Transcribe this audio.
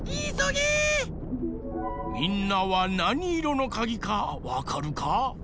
みんなはなにいろのかぎかわかるか？